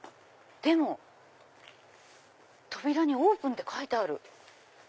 でも扉にオープンって書いてある。